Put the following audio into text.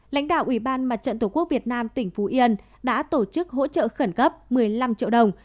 lãnh đạo ủy ban mặt trận tổ quốc việt nam tỉnh phú yên đã tổ chức hỗ trợ khẩn cấp một mươi năm triệu đồng